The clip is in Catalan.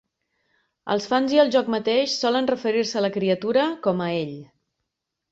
Els fans i el joc mateix solen referir-se a la criatura com a "ell".